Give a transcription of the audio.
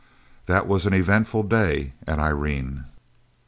That was an eventful day at Irene!